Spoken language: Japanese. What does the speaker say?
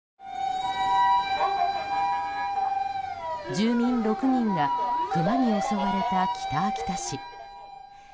住民６人がクマに襲われた北秋田市。